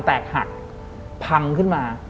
แตกหักพังขึ้นมา